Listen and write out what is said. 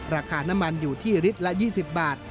ราคาน้ำมันอยู่ที่ลิตรละ๒๐บาท